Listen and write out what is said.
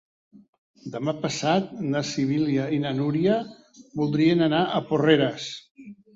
Demà passat na Sibil·la i na Núria voldrien anar a Porreres.